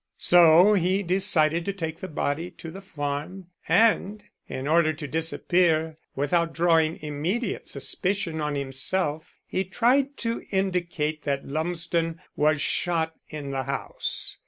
So he decided to take the body to the farm, and in order to disappear, without drawing immediate suspicion on himself, he tried to indicate that Lumsden was shot in the house.